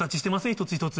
一つ一つ。